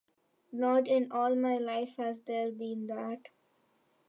Not in all my life has there been that.